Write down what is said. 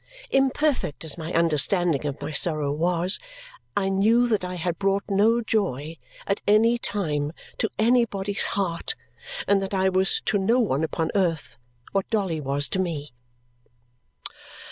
Imperfect as my understanding of my sorrow was, I knew that I had brought no joy at any time to anybody's heart and that I was to no one upon earth what Dolly was to me.